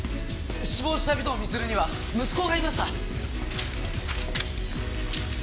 死亡した尾藤充には息子がいました！